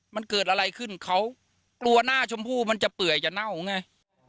มันเกิดอะไรขึ้นเขากลัวหน้าชมพู่มันจะเปื่อยจะเน่าไง